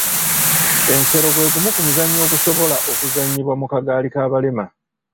Ensero gw'egumu ku mizannyo egisobola okuzannyibwa mu kagaali k'abalema.